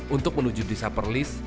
untuk menuju desa perlis